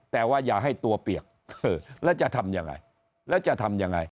แต่ว่าอย่าให้ตัวเปียกแล้วจะทำยังไงแล้วจะทำยังไง